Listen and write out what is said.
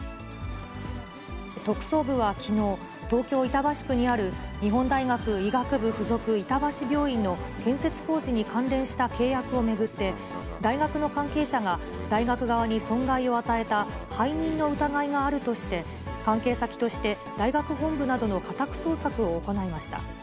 特捜部はきのう、東京・板橋区にある、日本大学医学部付属板橋病院の建設工事に関連した契約を巡って、大学の関係者が、大学側に損害を与えた背任の疑いがあるとして、関係先として大学本部などの家宅捜索を行いました。